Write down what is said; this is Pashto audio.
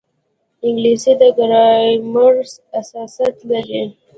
انګلیسي د ګرامر اساسات لري